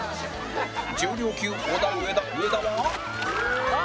重量級オダウエダ植田は